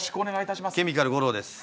ケミカル吾郎です。